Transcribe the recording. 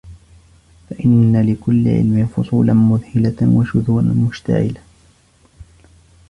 فَإِنَّ لِكُلِّ عِلْمٍ فُصُولًا مُذْهِلَةً وَشُذُورًا مُشْغِلَةً